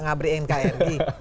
nggak beri nkri